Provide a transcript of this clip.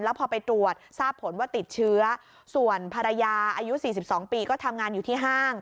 พอไปตรวจทราบผลว่าติดเชื้อส่วนภรรยาอายุ๔๒ปีก็ทำงานอยู่ที่ห้าง